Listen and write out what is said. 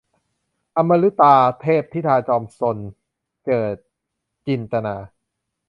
อมฤตาเทพธิดาจอมซน - เจิด จินตนา